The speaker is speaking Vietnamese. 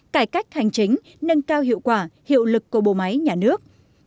cải cách hành chính nâng cao hiệu quả hiệu lực của bộ máy nhà nước